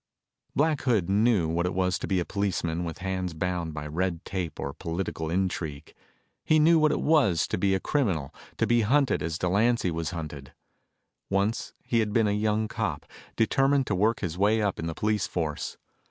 Black Hood knew what it was to be a policeman with hands bound by red tape or political intrigue. He knew what it was to be a criminal, to be hunted as Delancy was hunted. Once he had been a young cop, determined to work his way up in the police force.